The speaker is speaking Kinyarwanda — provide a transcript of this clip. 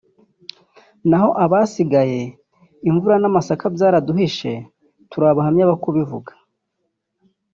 naho abasigaye imvura n’amasaka byaraduhishe turi abahamya bo kubivuga